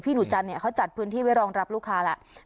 หนูจันเนี่ยเขาจัดพื้นที่ไว้รองรับลูกค้าแล้ว